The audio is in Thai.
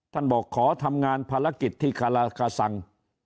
ท่านบอกขอทำงานภารกิจที่คลาคาสัง